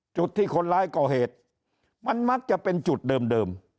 จุดที่คนร้ายก่อเหตุมันมักจะเป็นจุดเดิม